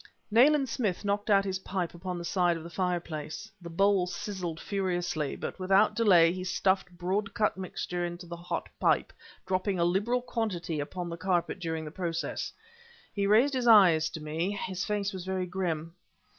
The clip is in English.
Nayland Smith knocked out his pipe upon the side of the fireplace. The bowl sizzled furiously, but without delay he stuffed broad cut mixture into the hot pipe, dropping a liberal quantity upon the carpet during the process. He raised his eyes to me, and his face was very grim.